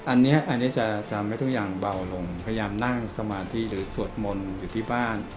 อันนี้จะทำให้ทุกอย่างเบาลงพยายามนั่งสมาธิหรือสวดมนต์อยู่ที่บ้าน